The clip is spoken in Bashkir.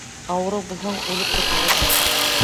Ауырыу булһаң, үлеп ҡотолорһоң.